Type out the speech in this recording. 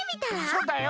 そうだよ。